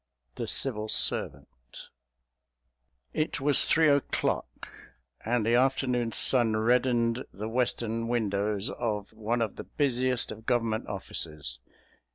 THE CIVIL SERVANT It was three o'clock, and the afternoon sun reddened the western windows of one of the busiest of Government offices.